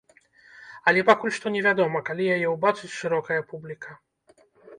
Але пакуль што невядома, калі яе ўбачыць шырокая публіка.